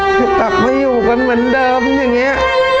พี่ตักไม่อยู่กันเหมือนเดิมอย่างเนี้ย